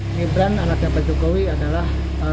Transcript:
gibran anaknya pak jokowi adalah